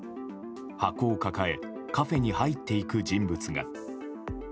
箱を抱えカフェに入っていく人物が。